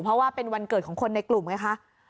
เพราะว่าเป็นวันเกิดของคนในกลุ่มไงคะ